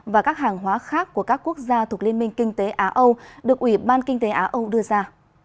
và các hàng hóa khác của các quốc gia thuộc liên minh kinh tế á âu được ủy ban kinh tế á âu đưa ra